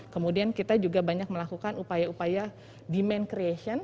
kemudian kita juga banyak melakukan upaya upaya demand creation